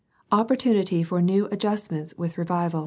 20. Opportunity for new adjustments vnth revival.